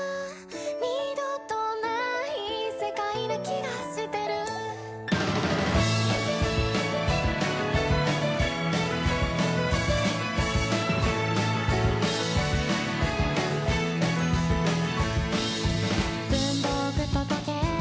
「二度とない世界な気がしてる」「文房具と時計